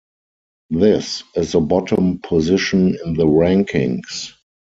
This is the bottom position in the rankings.